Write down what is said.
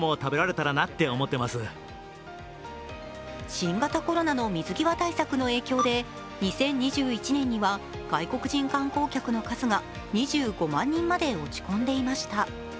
新型コロナの水際対策の影響で２０２１年には外国人観光客の数が２５万人まで落ち込んでいました。